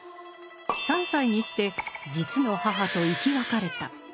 ３歳にして実の母と生き別れた。